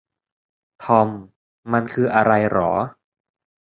ทอม มันคืออะไรหรอ